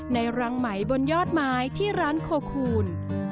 รังไหมบนยอดไม้ที่ร้านโคคูณ